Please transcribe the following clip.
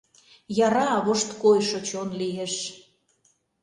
Яра, вошткойшо чон лиеш.